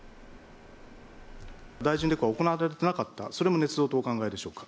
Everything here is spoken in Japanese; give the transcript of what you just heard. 大臣レクは行われてなかった、それもねつ造とお考えでしょうか。